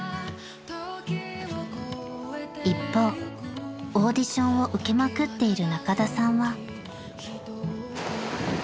［一方オーディションを受けまくっている仲田さんは］